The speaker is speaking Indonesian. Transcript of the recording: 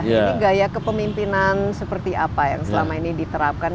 ini gaya kepemimpinan seperti apa yang selama ini diterapkan